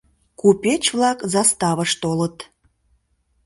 Купеч-влак заставыш толыт;